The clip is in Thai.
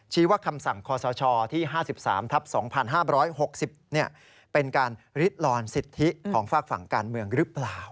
ว่าคำสั่งคอสชที่๕๓ทับ๒๕๖๐เป็นการริดลอนสิทธิของฝากฝั่งการเมืองหรือเปล่า